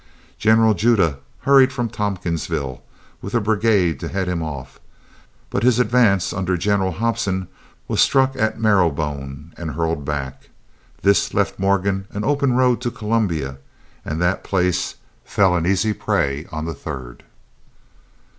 General Judah hurried from Tompkinsville with a brigade to head him off, but his advance under General Hobson was struck at Marrowbone, and hurled back. This left Morgan an open road to Columbia, and that place fell an easy prey on the 3d.